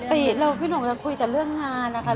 ปกติพี่หงจะคุยแต่เรื่องงานนะคะ